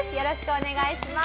お願いします。